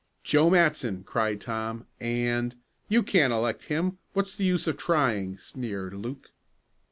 "Joe Matson!" cried Tom, "and " "You can't elect him, what's the use of trying?" sneered Luke.